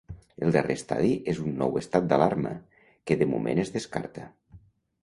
El darrer estadi és un nou estat d’alarma, que de moment es descarta.